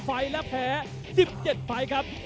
สวัสดีครับ